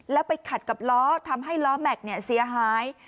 แล้วไปขัดกับล้อทำให้ล้อแม็กซ์เสียหาย